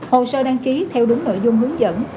hồ sơ đăng ký theo đúng nội dung hướng dẫn